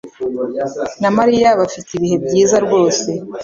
na Mariya bafite ibihe byiza rwose.